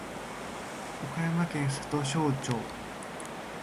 岡山県里庄町